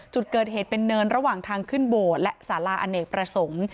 จุดเกิดเหตุเป็นเนินระหว่างทางขึ้นโบสถและสาราอเนกประสงค์